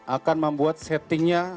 akan membuat settingnya